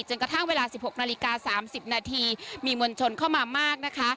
จนกระทะเมื่อเวลา๑๖นาฬิกา๓๐นาทีมีมวลชนเข้ามามาก